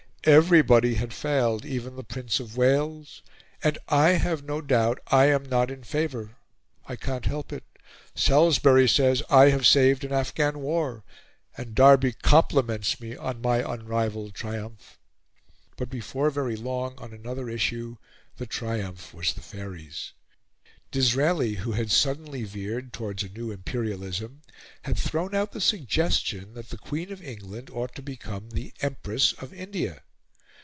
Everybody had failed, even the Prince of Wales... and I have no doubt I am not in favour. I can't help it. Salisbury says I have saved an Afghan War, and Derby compliments me on my unrivalled triumph." But before very long, on another issue, the triumph was the Faery's. Disraeli, who had suddenly veered towards a new Imperialism, had thrown out the suggestion that the Queen of England ought to become the Empress of India.